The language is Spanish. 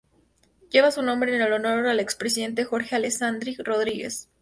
Lleva su nombre en honor al expresidente Jorge Alessandri Rodríguez.